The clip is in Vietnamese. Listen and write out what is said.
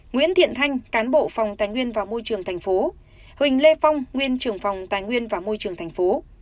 nguyễn thiện thanh cán bộ phòng tài nguyên và môi trường thành phố huỳnh lê phong nguyên trưởng phòng tài nguyên và môi trường thành phố